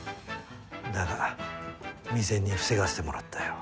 だが未然に防がせてもらったよ。